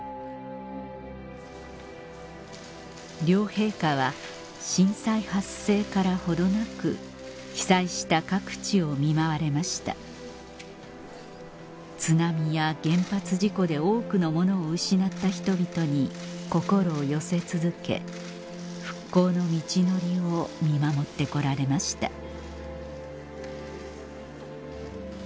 両陛下は震災発生から程なく被災した各地を見舞われました津波や原発事故で多くのものを失った人々に心を寄せ続け復興の道のりを見守って来られました